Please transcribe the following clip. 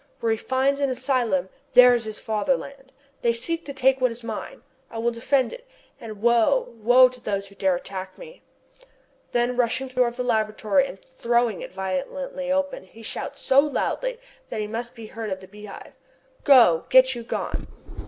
Where he finds an asylum, there is his fatherland! They seek to take what is mine. I will defend it, and woe, woe to those who dare to attack me!" Then rushing to the door of the laboratory and throwing it violently open he shouts so loudly that he must be heard at the Beehive: "Go! Get you gone!"